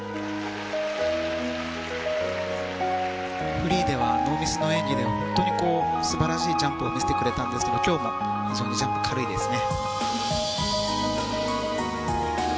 フリーではノーミスの演技で本当に素晴らしいジャンプを見せてくれたんですが、今日も非常にジャンプ軽いですね。